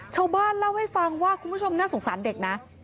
ชาวบ้านเล่าให้ฟังว่าคุณผู้ชมน่าสงสารเด็กนะ